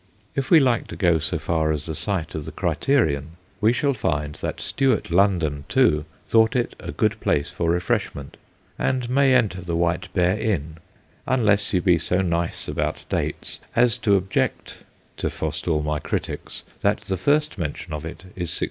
If we like to go so far as the site of the Criterion, we shall find that Stuart London, too, thought it a good place for refreshment, and may enter the White Bear Inn, unless you be so nice about dates as to object (to fore stall my critics) that the first mention of it is 1685.